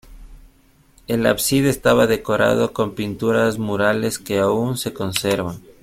El ábside estaba decorado con pinturas murales que aún se conservan.